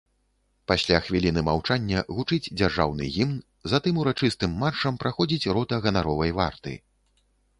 Пасля хвіліны маўчання гучыць дзяржаўны гімн, затым урачыстым маршам праходзіць рота ганаровай варты.